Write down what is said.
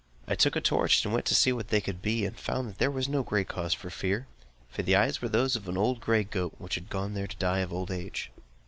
I took a torch, and went to see what they could be, and found that there was no cause for fear; for the eyes were those of an old gray goat, which had gone there to die of old age.